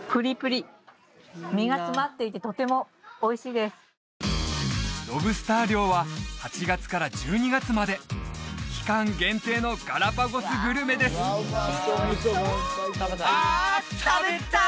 うんロブスター漁は８月から１２月まで期間限定のガラパゴスグルメですあ